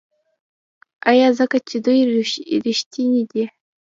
آیا ځکه چې دوی ریښتیني نه دي؟